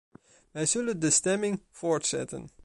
Wij zullen de stemming voortzetten.